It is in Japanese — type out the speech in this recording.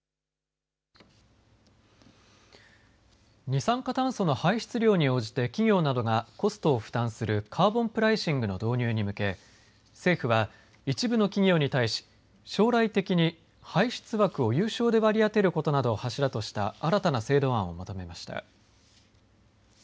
二酸化炭素の排出量に応じて企業などがコストを負担するカーボンプライシングの導入に向け、政府は一部の企業に対し、将来的に排出枠を有償で割り当てることなどを柱とした新たな制度案をまとめました。